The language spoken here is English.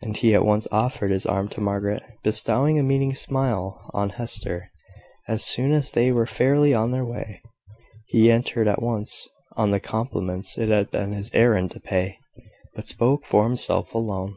And he at once offered his arm to Margaret, bestowing a meaning smile on Hester. As soon as they were fairly on their way, he entered at once on the compliments it had been his errand to pay, but spoke for himself alone.